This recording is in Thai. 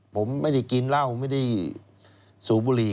ผมไม่ได้กินเหล้าไม่ได้สูบบุหรี่